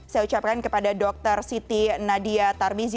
saya ucapkan kepada dr siti nadia tarmizi